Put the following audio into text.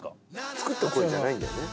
作った声じゃないんだよね